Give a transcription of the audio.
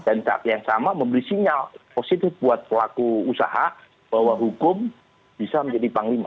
dan saat yang sama memberi sinyal positif buat pelaku usaha bahwa hukum bisa menjadi panglima